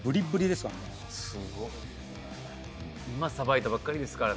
すごい今さばいたばっかりですからね